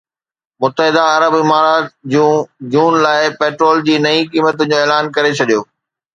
متحده عرب امارات June June لاءِ پيٽرول جي نئين قيمتن جو اعلان ڪري ڇڏيو